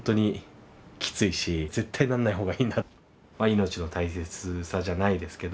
命の大切さじゃないですけど